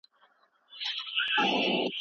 ایا د مقالي ژبه باید ساده وي که پیچلې؟